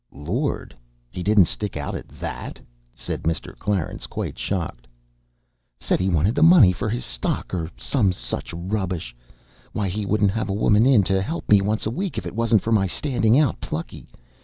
"Lord! he didn't stick out at that?" said Mr. Clarence, quite shocked. "Said he wanted the money for his stock, or some such rubbish. Why, he wouldn't have a woman in to help me once a week if it wasn't for my standing out plucky.